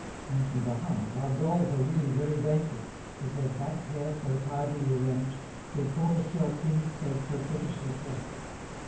Seen from behind, our dolls are really very dainty, with their back hair so tidily arranged, their tortoiseshell pins so coquettishly placed.